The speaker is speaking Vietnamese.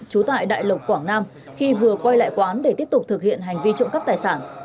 trú tại đại lộc quảng nam khi vừa quay lại quán để tiếp tục thực hiện hành vi trộm cắp tài sản